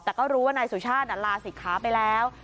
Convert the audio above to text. แต่ก็รู้ว่านายสุชาติลาศิกขาไปแล้ว